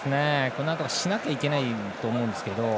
このあとしなきゃいけないと思うんですけど。